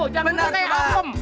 jangan buta kayak apem